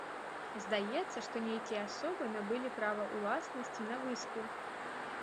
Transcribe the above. Здаецца, што нейкія асобы набылі права ўласнасці на выспу.